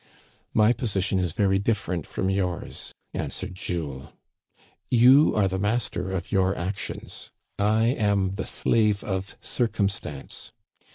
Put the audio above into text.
" My position is very different from yours," answered Jules. You are the master of your actions ; I am the slave of circumstance.